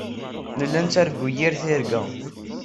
Nella nettargu yir tirga.